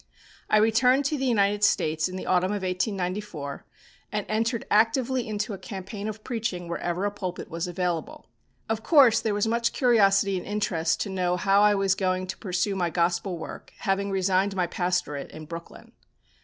I returned to the United States in the autumn of 1894 and entered actively into a campaign of preaching wherever a pulpit was available. Of course there was much curiosity and interest to know how I was going to pursue my Gospel work, having resigned my pastorate in Brooklyn.